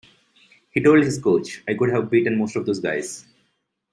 He told his coach, I could have beaten most of those guys.